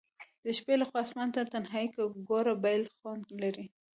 د شپي لخوا آسمان ته تنهائي کي ګوره بیل خوند لري